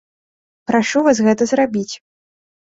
Прашу вас гэта зрабіць.